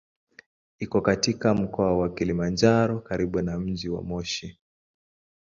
Iko katika Mkoa wa Kilimanjaro karibu na mji wa Moshi.